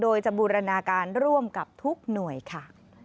โดยจะบูรณาการร่วมกับทุกหน่วยค่ะ